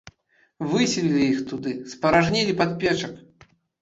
Выселілі іх туды, спаражнілі падпечак.